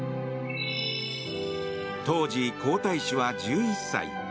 当時、皇太子は１１歳。